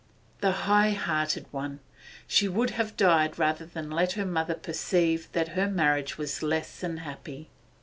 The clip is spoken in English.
The high hearted one! She would have died rather than let her mother perceive that her marriage was less than happy.